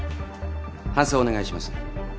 搬送お願いします。